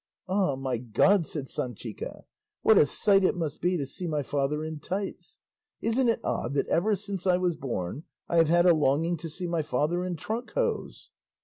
"Ah! my God!" said Sanchica, "what a sight it must be to see my father in tights! Isn't it odd that ever since I was born I have had a longing to see my father in trunk hose?"